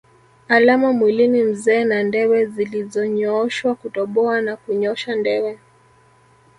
Alama mwilini mzee na ndewe zilizonyooshwa Kutoboa na kunyosha ndewe